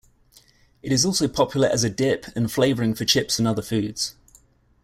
It is also popular as a dip and flavoring for chips and other foods.